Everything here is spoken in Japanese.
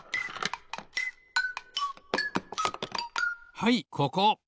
はいここ。